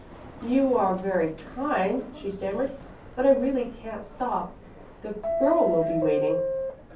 "You are very kind," she stammered, "but I really can't stop. The girl will be waiting."